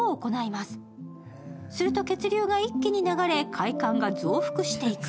すると血流が一気に流れ、快感が増幅していく。